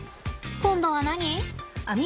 今度は何？